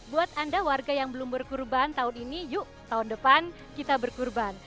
buat anda warga yang belum berkurban tahun ini yuk tahun depan kita berkurban